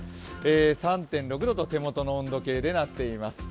３．６度と手元の温度計でなっています。